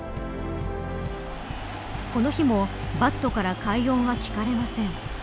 この日もバットから快音は聞かれません。